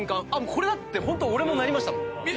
これだ！って俺もなりましたもん。